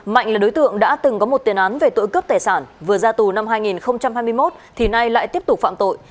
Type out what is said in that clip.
mạnh là đối tượng đã từng có một tiền án về tội cướp tài sản vừa ra tù năm hai nghìn hai mươi một thì nay lại tiếp tục phạm tội